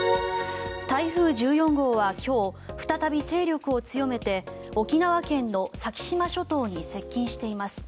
台風１４号は今日再び勢力を強めて沖縄県の先島諸島に接近しています。